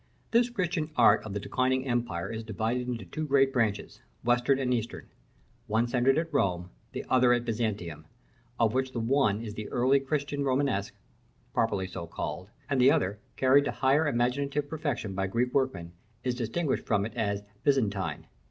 This Christian art of the declining empire is divided into two great branches, western and eastern; one centred at Rome, the other at Byzantium, of which the one is the early Christian Romanesque, properly so called, and the other, carried to higher imaginative perfection by Greek workmen, is distinguished from it as Byzantine.